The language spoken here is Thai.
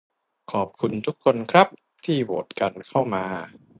ขอบคุณทุกคนครับ ที่โหวตก้นเข้ามา